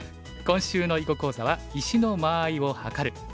今週の囲碁講座は「石の間合いをはかる」。